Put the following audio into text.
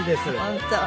本当。